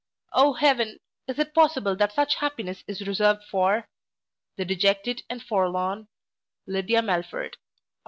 0 heaven! is it possible that such happiness is reserved for The dejected and forlorn LYDIA MELFORD Oct.